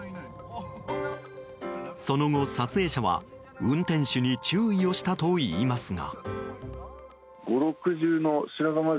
その後、撮影者は運転手に注意をしたといいますが。